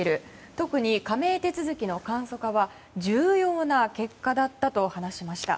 特に加盟手続きの簡素化は重要な結果だったと話しました。